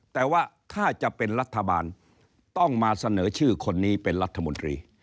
แต่ว่าถ้าจะเป็นรัฐบาลต้องมาเสนอชื่อคนนี้เป็นรัฐมนตรี